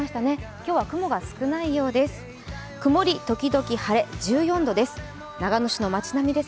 今日は雲が少ないようです。